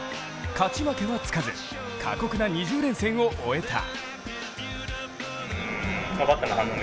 勝ち負けはつかず過酷な２０連戦を終えた。